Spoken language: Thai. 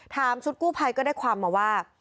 ชุดกู้ภัยก็ได้ความมาว่า